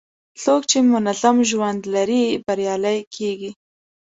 څوک چې منظم ژوند لري، بریالی کېږي.